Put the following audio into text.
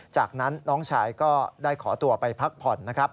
จากนั้นน้องชายก็ได้ขอตัวไปพักผ่อนนะครับ